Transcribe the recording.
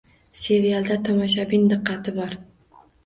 Serialda tomoshabin diqqati bor.